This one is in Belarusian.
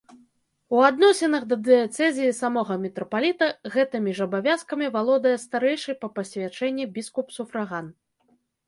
У адносінах да дыяцэзіі самога мітрапаліта гэтымі ж абавязкамі валодае старэйшы па пасвячэнні біскуп-суфраган.